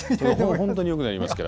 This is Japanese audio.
本当によくなりますから。